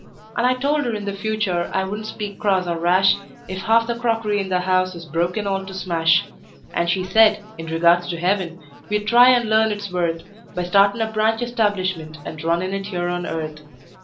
And I told her in the future I wouldn't speak cross or rash If half the crockery in the house was broken all to smash; And she said, in regards to heaven, we'd try and learn its worth By startin' a branch establishment and runnin' it here on earth.